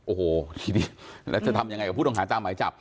โอ้โหดีแล้วจะทำอย่างไรกับผู้ต้องหาจ้ามไว้จับ